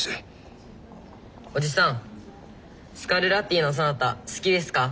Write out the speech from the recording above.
おじさんスカルラッティのソナタ好きですか？